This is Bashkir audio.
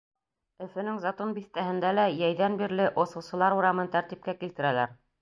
Өфөнөң Затон биҫтәһендә лә йәйҙән бирле Осоусылар урамын тәртипкә килтерәләр.